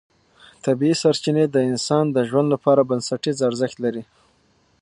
طبیعي سرچینې د انسان د ژوند لپاره بنسټیز ارزښت لري